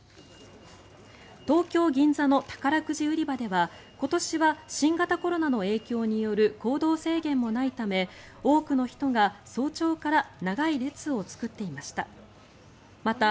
東京・銀座の宝くじ売り場では今年は新型コロナの影響による行動制限もないため多くの人が早朝から長い列を作っていました。